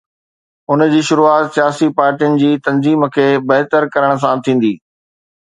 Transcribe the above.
ان جي شروعات سياسي پارٽين جي تنظيم کي بهتر ڪرڻ سان ٿيندي.